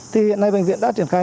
thì hiện nay bệnh viện đã triển khai